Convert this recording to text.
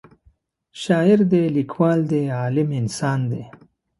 شاعر دی لیکوال دی عالم انسان دی